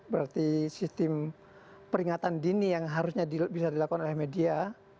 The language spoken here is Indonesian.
berarti sistem peringatan dini yang harusnya bisa dilakukan oleh media